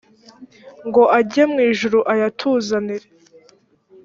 ngo ajye mu ijuru ayatuzanire